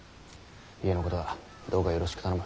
家のことはどうかよろしく頼む。